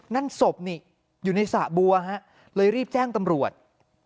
นั่นศพนี่อยู่ในสระบัวฮะเลยรีบแจ้งตำรวจ